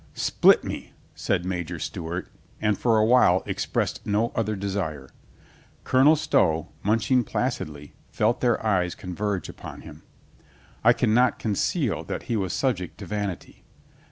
"Split me," said Major Stewart, and for a while expressed no other desire. Colonel Stow, munch ing placidly, felt their eyes converge upon him. I can not conceal that he was subject to vanity.